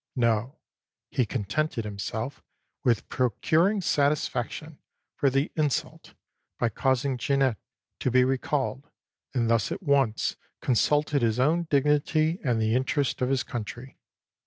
No; he contented himself with procuring satisfaction for the insult, by causing Genet to be recalled, and thus at once consulted his own dignity and the interests of his country.